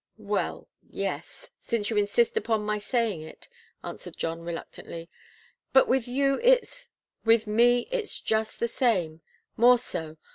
"Well yes since you insist upon my saying it," answered John, reluctantly. "But with you, it's " "With me, it's just the same more so.